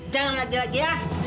jangan lagi lagi ya